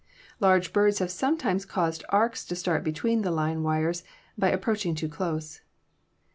Large birds have sometimes caused arcs to start between the line wires by approaching too close.